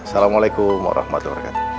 assalamualaikum warahmatullahi wabarakatuh